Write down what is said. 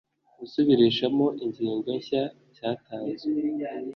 gusubirishamo ingingo nshya cyatanzwe